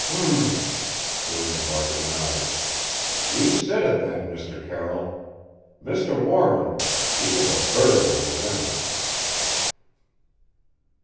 "H m!" William Barker nodded. "You said it then, Mr. Carroll. Mr. Warren he was a bird with the women!"